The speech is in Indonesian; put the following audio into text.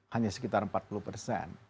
hanya sekitar empat puluh persen